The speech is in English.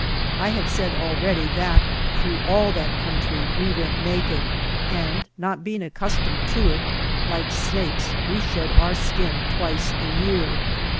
I have said already that through all that country we went naked, and not being accustomed to it, like snakes we shed our skin twice a year.